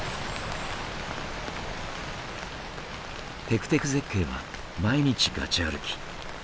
てくてく絶景は毎日ガチ歩き。